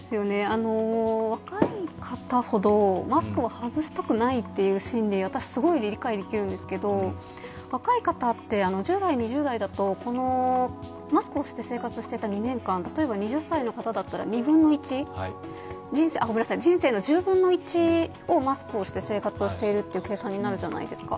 若い方ほどマスクは外したくないという心理、私、すごく理解できるんですけど、若い方って、１０代、２０代だとマスクをして生活をしていた２年間例えば２０歳の方だったら人生の１０分の１をマスクをして生活しているという計算になるじゃないですか。